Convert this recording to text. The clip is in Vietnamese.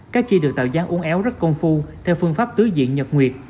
các chi được tạo dáng uống éo rất công phu theo phương pháp tứ diện nhật nguyệt